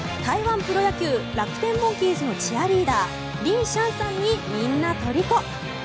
プロ野球楽天モンキーズのチアリーダーリン・シャンさんにみんなとりこ。